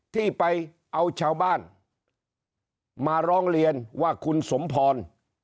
ที่ไปเอาชาวบ้านมาร้องเรียนว่าคุณสมพร